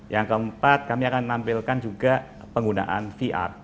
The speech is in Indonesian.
yang keempat kami akan tampilkan juga penggunaan vr